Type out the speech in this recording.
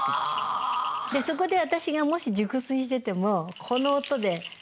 でそこで私がもし熟睡しててもこの音で起きるという。